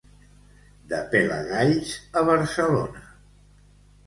De Pelagalls a Barcelona.